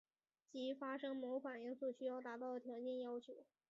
即发生某反应所需要达到的条件要求。